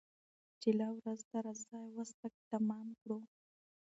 چي لا ورځ ده راځه وس پكښي تمام كړو